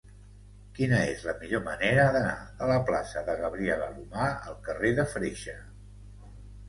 Quina és la millor manera d'anar de la plaça de Gabriel Alomar al carrer de Freixa?